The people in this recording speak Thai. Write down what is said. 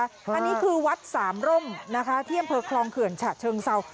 อันนี้คือวัดสามร่มนะคะที่อำเภอคลองเขื่อนฉะเชิงเศร้า